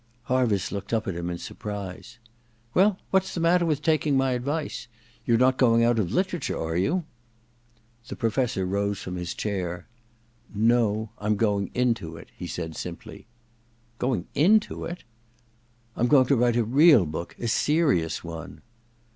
Harviss looked up at him in surprise. •Well, what's the matter with taking my advice — ^you're not going out of literature, are you ?' The Professor rose from his chair. * No— I'm going into it,' he said simply. * Going into it ?I'm going to write a real book — a serious one.'